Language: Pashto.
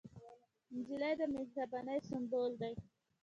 نجلۍ د مهربانۍ سمبول ده.